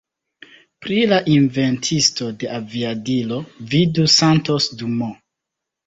Pri la inventisto de aviadilo, vidu Santos Dumont.